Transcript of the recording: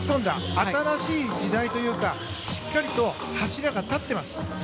新しい時代にしっかりと柱が立っています。